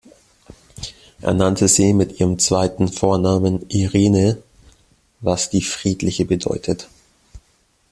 Er nannte sie mit ihrem zweiten Vornamen Irene, was „die Friedliche“ bedeutet.